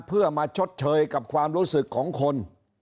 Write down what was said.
เพื่อมาชดเชยกับความรู้สึกของคน